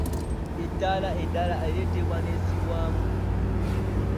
Ettaala endala ereetebwa n’essibwamu.